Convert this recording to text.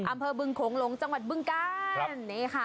อำเภอบึงโขงหลงจังหวัดบึงกาลนี่ค่ะ